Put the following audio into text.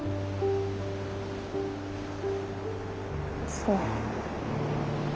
そう。